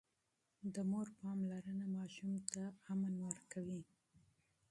د مور پاملرنه ماشوم ته امن ورکوي.